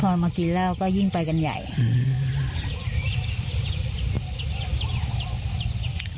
พอมากินเหล้าก็ยิ่งไปกันใหญ่อืม